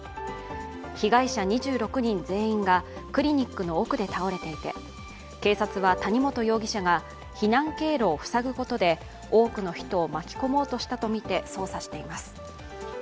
被害者２６人全員がクリニックの奥で倒れていて警察は、谷本容疑者が避難経路を塞ぐことで多くの人を巻き込もうとしたとみて捜査しています。